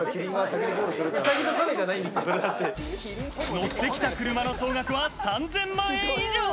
乗ってきた車の総額は３０００万円以上。